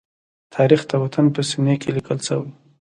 تاریخ د وطن په سینې کې لیکل شوی.